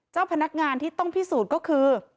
เจ้าพนักงานที่ต้องพิสูจน์ก็คือ